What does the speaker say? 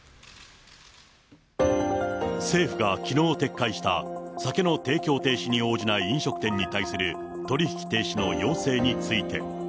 政府がきのう撤回した、酒の提供停止に応じない飲食店に対する取り引き停止の要請について。